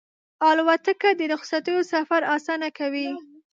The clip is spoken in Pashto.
الوتکه د رخصتیو سفر اسانه کوي.